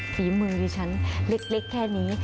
ฝีมือดิฉันเล็กแค่นี้